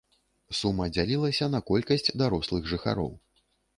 Сума дзялілася на колькасць дарослых жыхароў.